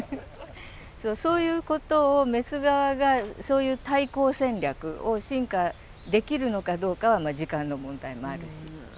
そういうことをメス側がそういう対抗戦略を進化できるのかどうかはまあ時間の問題もあるし。